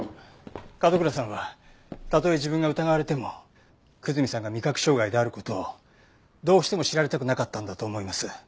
角倉さんはたとえ自分が疑われても久住さんが味覚障害である事をどうしても知られたくなかったんだと思います。